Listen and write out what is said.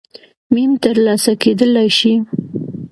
م ترلاسه کېدلای شي